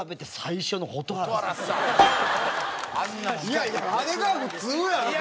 いやいやあれが普通やろ別に。